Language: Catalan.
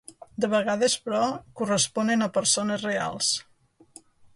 De vegades, però, corresponen a persones reals.